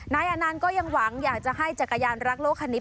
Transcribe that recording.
นายอนันต์ก็ยังหวังอยากจะให้จักรยานรักโลกคันนี้